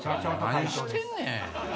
何してんねん！